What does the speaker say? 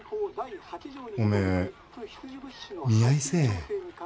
おめえ見合いせえ。